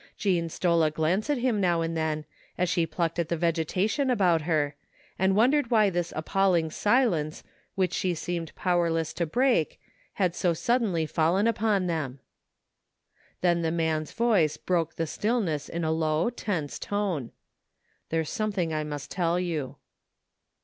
Jean stole a glance at him now and then, as she plucked at the vegetation about her, and wondered why this appalling silence, which she seemed powerless to break, had so suddenly fallen upon them. Then the man's voice broke the stillness in a low tense tone. " There's something I must tell you."